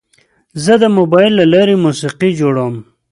زه د موبایل له لارې موسیقي جوړوم.